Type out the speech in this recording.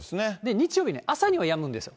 日曜日の朝にはやむんですよ。